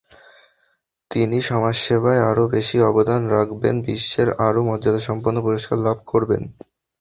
তিনি সমাজসেবায় আরও বেশি অবদান রাখবেন, বিশ্বের আরও মর্যাদাসম্পন্ন পুরস্কার লাভ করবেন।